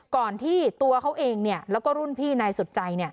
ก่อนที่ตัวเขาเองแล้วก็รุ่นพี่นายสุดใจ